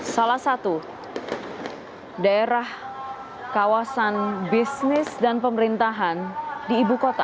salah satu daerah kawasan bisnis dan pemerintahan di ibu kota